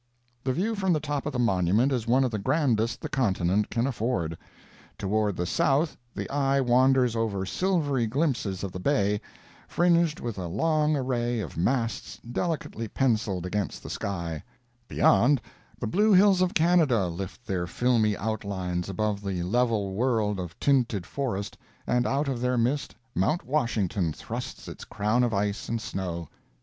The view from the top of the monument is one of the grandest the continent can afford. Toward the south the eye wanders over silvery glimpses of the bay, fringed with a long array of masts delicately pencilled against the sky; beyond, the blue hills of Canada lift their filmy outlines above the level world of tinted forest, and out of their midst Mount Washington thrusts it crown of ice and snow.